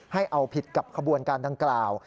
ให้เอาผิดกับขบวนการดังกล่าว